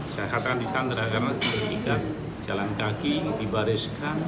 saya katakan disandera karena sejauh ini ikan jalan kaki dibariskan